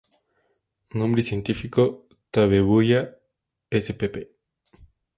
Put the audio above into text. Nombre Científico: "Tabebuia" spp.